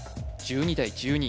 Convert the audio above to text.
１２対１２